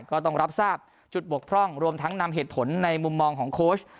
ก็ต้องรับทราบจุดบกพร่องรวมทั้งนำเหตุผลในมุมมองของโค้ช